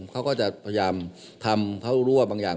เขาก็จะพยายามทำเขารั่วบางอย่าง